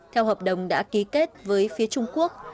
theo hợp đồng đã ký kết với phía trung quốc